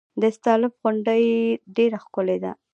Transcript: د استالف غونډۍ ډیره ښکلې ده